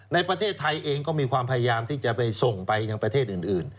ในประเทศไทยเองก็มีความพยายามที่จะไปส่งไปยังประเทศอื่น